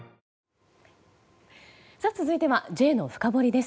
続いてはＪのフカボリです。